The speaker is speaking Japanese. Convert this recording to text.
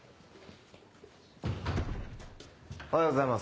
おはようございます。